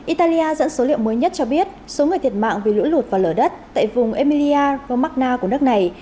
italia dẫn số liệu mới nhất cho biết số người thiệt mạng vì lũ lụt và lở đất tại vùng elia romacna của nước này